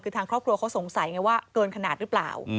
คือทางครอบครัวเขาสงสัยไงว่าเกินขนาดหรือเปล่า